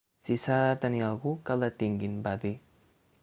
Si s’ha de detenir algú, que el detinguin, va dir.